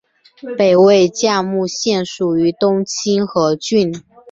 北魏绎幕县属于东清河郡。